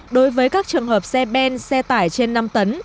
đối với các trường hợp xe ben xe tải trên năm tấn